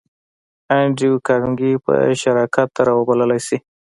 انډریو کارنګي به شراکت ته را وبللای شې